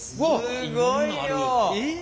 すごい量！